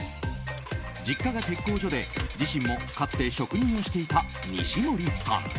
実家が鉄工所で自身もかつて職人をしていた西森さん。